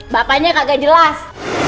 bapaknya kagak jelas